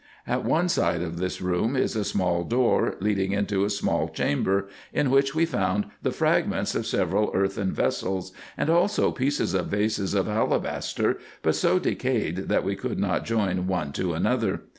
At one side of this room is a small door, leading into a small chamber, in which we found the fragments of several earthen vessels, and also pieces of vases of alabaster, but so decayed that we could not join one to another.